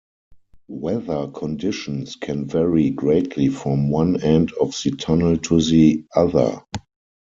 Weather conditions can vary greatly from one end of the tunnel to the other.